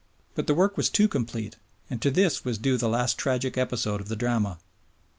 But the work was too complete, and to this was due the last tragic episode of the drama.